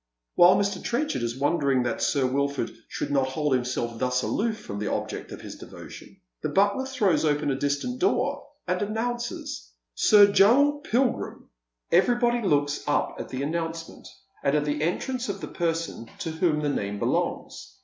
While Mr. Trenchard is wondering that Sir Wilford should hold himself thus aloof fi'om the object of his devotion, the butler throws open a distant door, and announces —" Mr. Joel Pilgi im." Everybody looks up at the announcement, and at the entrance of the person to whom the name belongs.